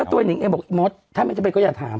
แล้วตัวหนิงก็บอกมดถ้าไม่จะไปก็อย่าถาม